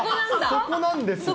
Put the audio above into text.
そこなんですね。